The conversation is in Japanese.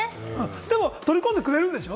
でも取り込んでくれるんでしょ？